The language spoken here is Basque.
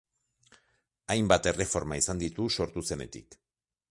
Hainbat erreforma izan ditu sortu zenetik.